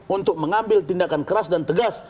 untuk mengambil tindakan keras dan tegas